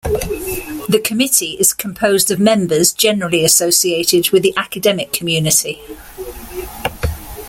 The Committee is composed of members generally associated with the academic community.